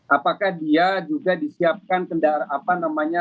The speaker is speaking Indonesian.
apakah dia juga disiapkan kendaraan apa namanya